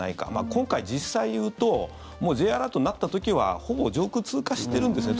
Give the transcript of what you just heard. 今回、実際いうともうＪアラート鳴った時はほぼ上空通過してるんですよ。